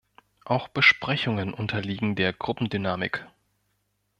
Auch Besprechungen unterliegen der Gruppendynamik.